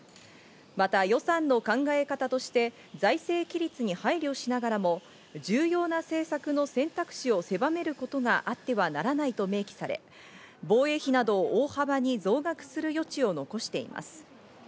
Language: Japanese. また予算の考え方として財政規律に配慮しながらも重要な政策の選択肢を狭めることがあってはならないと明記され、防衛費などを大幅に増額する余地を残しています。